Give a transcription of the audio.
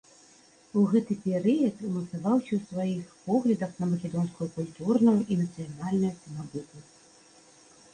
У гэты перыяд умацаваўся ў сваіх поглядах на македонскую культурную і нацыянальную самабытнасць.